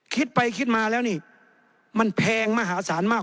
คิดไปคิดมาแล้วนี่มันแพงมหาศาลมาก